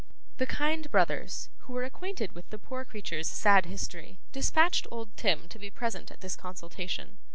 The kind brothers, who were acquainted with the poor creature's sad history, dispatched old Tim to be present at this consultation.